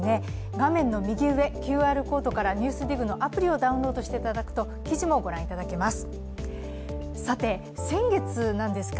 画面の右上、ＱＲコードからＮＥＷＳＤＩＧのアプリをダウンロードしていただくと、記事もご覧いただけます。